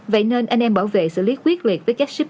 vậy nên anh em bảo vệ xử lý quyết liệt